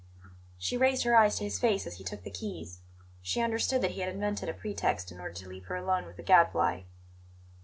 She raised her eyes to his face as he took the keys. She understood that he had invented a pretext in order to leave her alone with the Gadfly.